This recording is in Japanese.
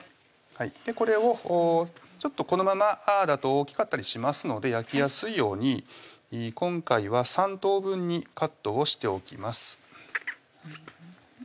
これをちょっとこのままだと大きかったりしますので焼きやすいように今回は３等分にカットをしておきます